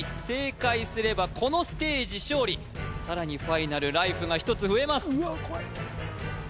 正解すればこのステージ勝利さらにファイナルライフが１つ増えます